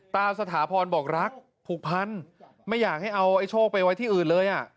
สถาพรบอกรักผูกพันไม่อยากให้เอาไอ้โชคไปไว้ที่อื่นเลย